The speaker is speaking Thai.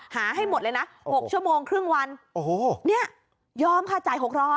ให้หมดเลยนะ๖ชั่วโมงครึ่งวันโอ้โหเนี่ยยอมค่ะจ่าย๖๐๐